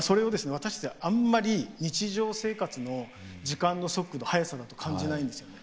私たちはあんまり日常生活の時間の速度速さだと感じないんですよね。